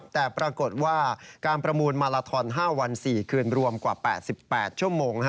แต่ปรากฏว่าการประมูลมาลาทอน๕วัน๔คืนรวมกว่า๘๘ชั่วโมง